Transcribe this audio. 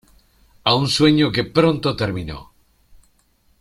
A un sueño que pronto terminó.